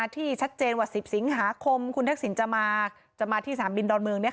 ที่ชัดเจนว่า๑๐สิงหาคมคุณทักษิณจะมาที่สนามบินดอนเมือง